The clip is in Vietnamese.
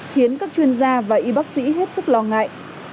khiến các chuyên gia và y bác sĩ hết sức lo ngại